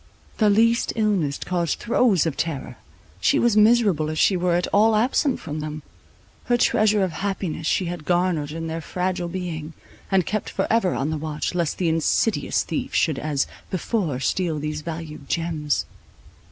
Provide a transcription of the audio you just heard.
The least illness caused throes of terror; she was miserable if she were at all absent from them; her treasure of happiness she had garnered in their fragile being, and kept forever on the watch, lest the insidious thief should as before steal these valued gems.